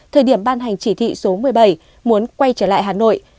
thời điểm ban hành chỉ thị số một mươi bảy muốn quay trở lại hà nội